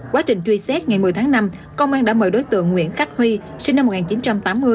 quá trình truy xét ngày một mươi tháng năm công an đã mời đối tượng nguyễn khắc huy sinh năm một nghìn chín trăm tám mươi